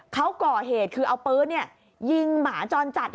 เขาก่อเหตุคือเอาปืนยิงหมาจรจัด